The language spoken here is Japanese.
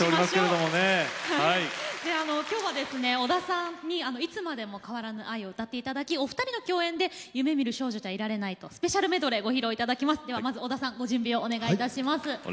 今日は、織田さんに「いつまでも変わらぬ愛を」歌っていただきお二人の共演で「夢見る少女じゃいられない」のスペシャルメドレーをご披露いただきます。